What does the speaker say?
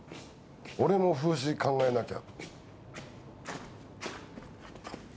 俺も風刺考えなきゃ。